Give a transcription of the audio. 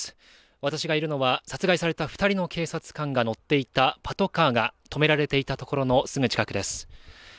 私がいるのは、殺害された２人の警察官が乗っていたパトカーが止められていた所のすぐ近くです。